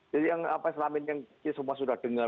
jadi yang apa selama ini yang kita semua sudah dengar